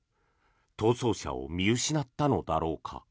逃走車を見失ったのだろうか。